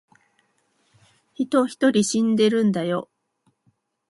人一人死んでるんだよ